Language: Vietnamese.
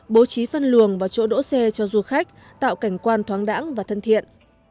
bố trí phân luồng và chỗ đỗ xe cho du khách tạo cảnh quan thoáng đẳng và thân thiện